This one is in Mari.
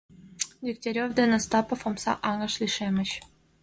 Дегтярев ден Остапов омса аҥыш лишемыч.